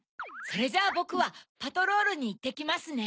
それじゃぼくはパトロールにいってきますね。